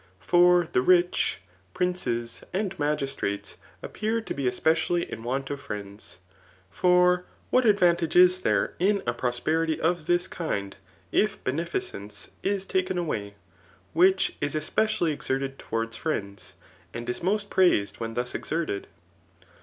For the rich, princes, and magistrates, appear to be especially in want of friends. For what advantage is there in a 'prosperity of this kind, if beneficence is taken away, which is especially exerted towards friends, and is most praised when thus exerted